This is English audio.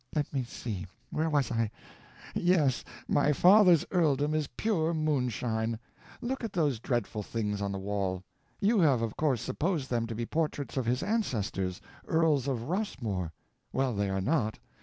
"Let me see. Where was I? Yes, my father's earldom is pure moonshine. Look at those dreadful things on the wall. You have of course supposed them to be portraits of his ancestors, earls of Rossmore. Well, they are not.